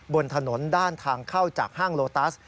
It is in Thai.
บนถนนด้านทางเข้าจากห้างโลตัส